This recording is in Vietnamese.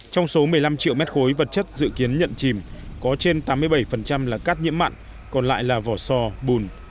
trong số một mươi năm triệu mét khối vật chất dự kiến nhận chìm có trên tám mươi bảy là cát nhiễm mặn còn lại là vỏ sò bùn